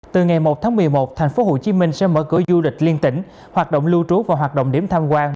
từ ngày một tháng một mươi một tp hcm sẽ mở cửa du lịch liên tỉnh hoạt động lưu trú và hoạt động điểm tham quan